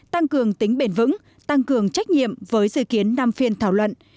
tăng cường tính bền vững tăng cường trách nhiệm với dự kiến năm phiên thảo luận